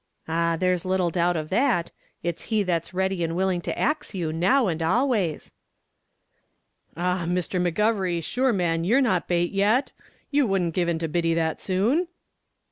ah, there's little doubt of that; it's he that's ready and willing to ax you, now and always." "Ah! Mr. McGovery, shure man, you're not bait yet! you wouldn't give in to Biddy that soon?"